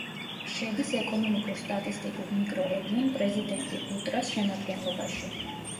შედის ეკონომიკურ-სტატისტიკურ მიკრორეგიონ პრეზიდენტი-დუტრას შემადგენლობაში.